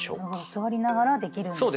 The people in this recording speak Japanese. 座りながらできるんですね。